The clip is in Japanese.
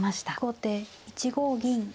後手１五銀。